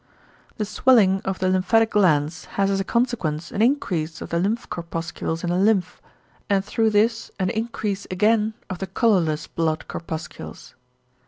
The swelling of the lymphatic glands has as a consequence an increase of the lymph corpuscles in the lymph, and through this an increase again of the colourless blood corpuscles.